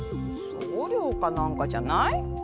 送料かなんかじゃない？